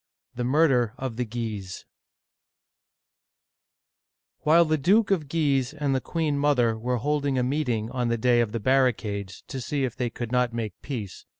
THE MURDER OF THE GUISES WHILE the Duke of Guise and the queen mother were holding a meeting on the Day of the Barri cades, to see if they could not make peace.